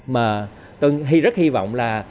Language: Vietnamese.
mà tôi rất hy vọng là